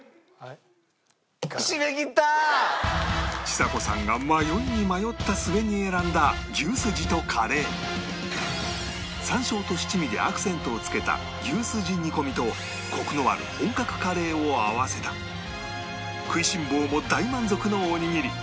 ちさ子さんが迷いに迷った末に選んだ牛すじとカレー山椒と七味でアクセントをつけた牛すじ煮込みとコクのある本格カレーを合わせた食いしん坊も大満足のおにぎり